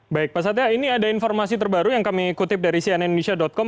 baik pak satya ini ada informasi terbaru yang kami kutip dari cnnindonesia com